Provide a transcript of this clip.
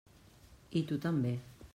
I tu també.